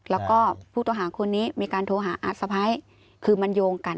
แล้วก็ผู้ต้องหาคนนี้มีการโทรหาอาสะพ้ายคือมันโยงกัน